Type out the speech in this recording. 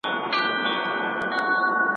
د ټولنې ستونزې کومې دي؟